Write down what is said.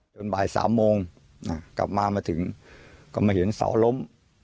บ่าย๓โมงกลับมามาถึงก็มาเห็นเสาล้ม